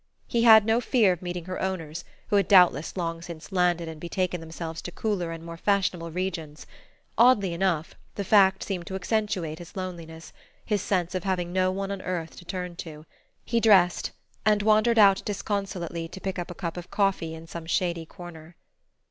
He had no fear of meeting her owners, who had doubtless long since landed and betaken themselves to cooler and more fashionable regions: oddly enough, the fact seemed to accentuate his loneliness, his sense of having no one on earth to turn to. He dressed, and wandered out disconsolately to pick up a cup of coffee in some shady corner.